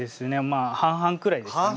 まあ半々くらいですね